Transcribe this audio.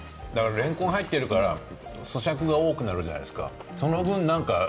れんこんが入っているからそしゃくが多くなるじゃないですか。